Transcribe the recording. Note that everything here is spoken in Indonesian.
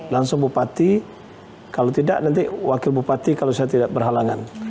langsung bupati kalau tidak nanti wakil bupati kalau saya tidak berhalangan